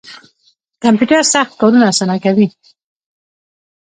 کمپیوټر سخت کارونه اسانه کوي